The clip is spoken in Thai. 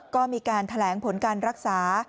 ก็มีการแถลงผลการรักษา